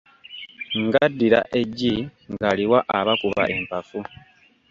Ng'addira eggi ng'aliwa abakuba empafu.